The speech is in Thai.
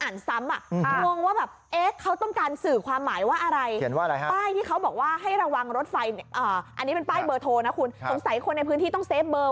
นี่แล้วเป็นข่าวมาหลายครั้ง